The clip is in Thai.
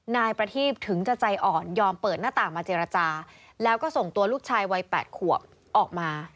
นายประทีบถึงจะใจอ่อนยอมเปิดหน้าต่างมาเจรจาแล้วก็ส่งตัวลูกชายวัย๘ขวบออกมา